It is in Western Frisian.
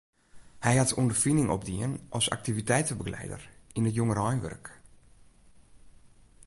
Hy hat ûnderfining opdien as aktiviteitebegelieder yn it jongereinwurk.